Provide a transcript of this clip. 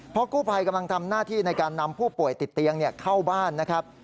เพราะกู้ภัยกำลังทำหน้าที่ในการนำผู้ป่วยติดเตียงเข้าบ้านนะครับ